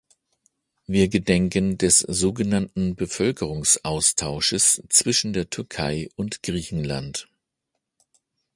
Wir gedenken des sogenannten Bevölkerungsaustausches zwischen der Türkei und Griechenland.